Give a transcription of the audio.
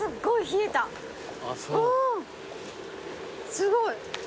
すごい。